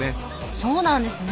そうなんですね。